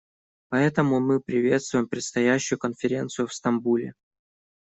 Поэтому мы приветствуем предстоящую конференцию в Стамбуле.